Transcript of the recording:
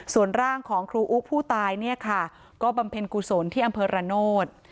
ส่วนร่างของครูอุผู้ตายเนี่ยค่ะก็บำเพ็ญกุศลที่อำเภอระโนธ